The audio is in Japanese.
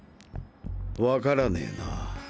わからねぇなぁ。